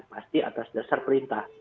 pasti atas dasar perintah